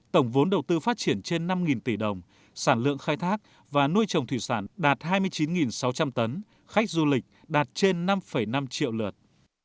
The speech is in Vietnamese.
tổng vốn đầu tư phát triển trên năm tỷ đồng sản lượng khai thác và nuôi trồng thủy sản đạt hai mươi chín sáu trăm linh tấn khách du lịch đạt trên năm năm triệu lượt